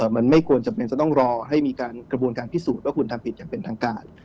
มันไม่ควรจำเป็นจะต้องรอให้มีการกระบวนการพิสูจน์ว่าคุณทำผิดอย่างเป็นทางการ